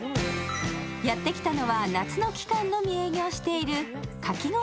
やってきたのは、夏の期間のみ営業しているかき氷